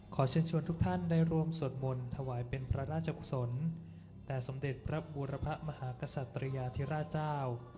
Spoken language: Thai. เชิญชวนทุกท่านได้ร่วมสวดมนต์ถวายเป็นพระราชกุศลแด่สมเด็จพระบูรพะมหากษัตริยาธิราชเจ้า